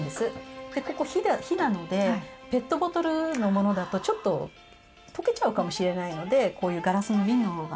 でここ火なのでペットボトルのものだとちょっと溶けちゃうかもしれないのでこういうガラスの瓶の方が。